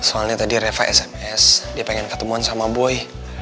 soalnya tadi reva sms dia pengen ketemuan sama boy